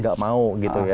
nggak mau gitu ya